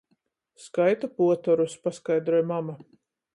"Skaita puotorus," paskaidroj mama.